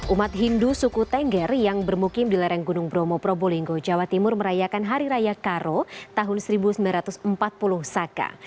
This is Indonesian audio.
umat hindu suku tengger yang bermukim di lereng gunung bromo probolinggo jawa timur merayakan hari raya karo tahun seribu sembilan ratus empat puluh saka